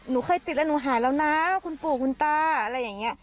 หนูเคยติดแล้วหนูหายแล้วนะคุณปู่คุณตาอะไรอย่างนี้